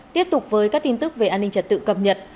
tiếp tục với các tin tức về an ninh trật tự cập nhật